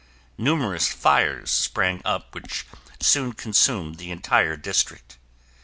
Numerous fires sprang up which soon consumed the entire district.